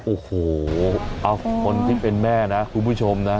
โอ้โหเอาคนที่เป็นแม่นะคุณผู้ชมนะ